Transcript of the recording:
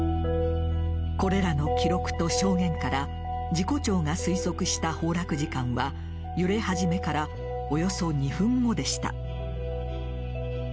これらの記録と証言から事故調が推測した崩落時間は揺れ始めからおよそ２分後でした。